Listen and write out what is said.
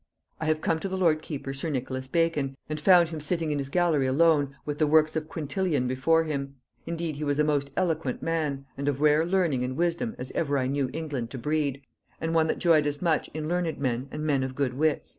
I have come to the lord keeper sir Nicholas Bacon, and found him sitting in his gallery alone with the works of Quintilian before him; indeed he was a most eloquent man, and of rare learning and wisdom as ever I knew England to breed; and one that joyed as much in learned men and men of good wits."